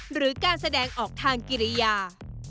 หรือการแสดงออกทางกิริยา